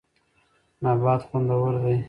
نبات خوندور دی.